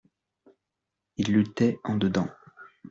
Il luttait en dedans.